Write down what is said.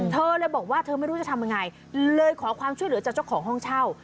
เธอเลยบอกว่าเธอไม่รู้จะทำยังไงเลยขอความช่วยเหลือจากเจ้าของห้องเช่า